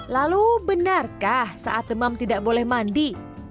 lalu benarkah saat demam tidak boleh mandi